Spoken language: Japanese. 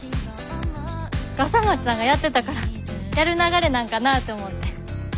笠松さんがやってたからやる流れなんかなって思って。